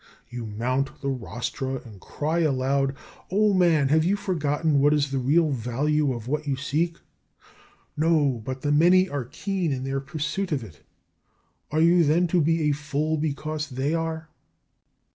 You mount the rostra and cry aloud, "O man, have you forgotten what is the real value of what you seek?" "No, but the many are keen in their pursuit of it." "Are you then to be a fool because they are?"